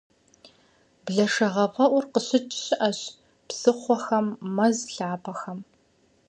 Блэшэгъэфӏэӏур къыщыкӏ щыӏэщ псыхъуэхэм, мэз лъапэхэм.